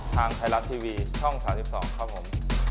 ทางไทยรัฐทีวีช่อง๓๒ครับผม